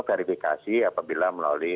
verifikasi apabila melalui